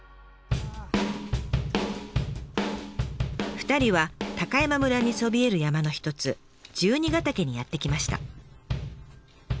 ２人は高山村にそびえる山の一つ十二ヶ岳にやって来ました。